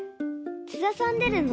津田さんでるの？